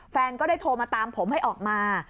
แฟนก็ได้โทรมาตามผมให้ออกมา